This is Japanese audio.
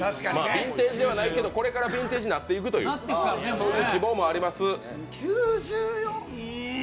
ヴィンテージではないけどこれからヴィンテージになっていくという９４うーん。